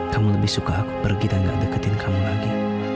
kamu lebih suka aku pergi dan gak deketin kamu lagi